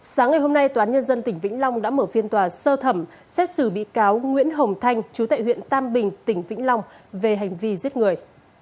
sáng ngày hôm nay toán nhân dân tỉnh vĩnh long đã mở phiên tòa sơ thẩm xét xử bị cáo nguyễn hồng thanh chú tại huyện tam bình tỉnh vĩnh long về hành vi giết người